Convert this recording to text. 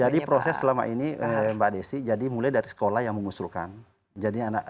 jadi proses selama ini mbak desi jadi mulai dari sekolah yang mengusulkan